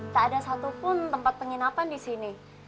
tak ada satupun tempat penginapan di sini